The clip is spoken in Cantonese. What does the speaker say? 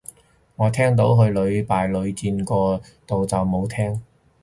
我聽到去屢敗屢戰個到就冇聽